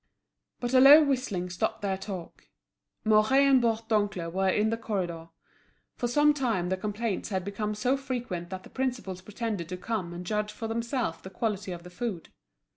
But a low whistling stopped their talk; Mouret and Bourdoncle were in the corridor. For some time the complaints had become so frequent that the principals pretended to come and judge for themselves the quality of the food.